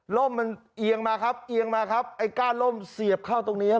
่มมันเอียงมาครับเอียงมาครับไอ้ก้านร่มเสียบเข้าตรงนี้ครับ